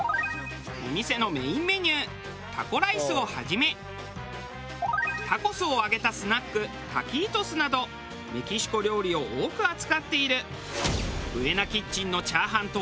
お店のメインメニュータコライスをはじめタコスを揚げたスナックタキートスなどメキシコ料理を多く扱っているＢｕｅｎａＫｉｔｃｈｅｎのチャーハンとは？